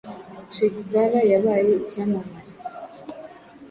che guevara yabaye icyamamare